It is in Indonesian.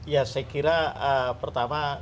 ya saya kira pertama